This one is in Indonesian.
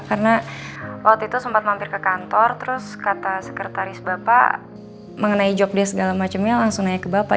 karena waktu itu sempat mampir ke kantor terus kata sekretaris bapak mengenai job dia segala macemnya langsung nanya ke bapak